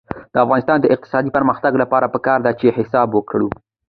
د افغانستان د اقتصادي پرمختګ لپاره پکار ده چې حساب وکړو.